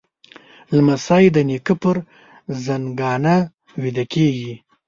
لمسی د نیکه پر زنګانه ویده کېږي.